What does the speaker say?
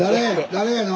誰やの？